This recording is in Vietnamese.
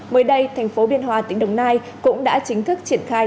mới đây thành phố biên hòa tỉnh đồng nai cũng đã chính thức triển khai